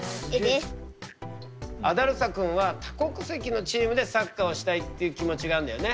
アダルサくんは多国籍のチームでサッカーをしたいっていう気持ちがあんだよね。